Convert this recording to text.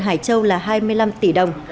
tài sản thiện quận hải châu là hai mươi năm tỷ đồng